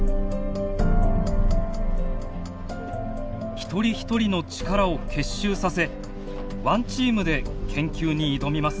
ひとりひとりの力を結集させワンチームで研究に挑みます。